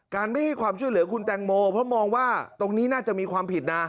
ไม่ให้ความช่วยเหลือคุณแตงโมเพราะมองว่าตรงนี้น่าจะมีความผิดนะ